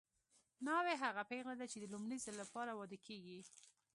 ناوې هغه پېغله ده چې د لومړي ځل لپاره واده کیږي